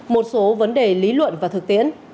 một số vấn đề lý luận và thực tiễn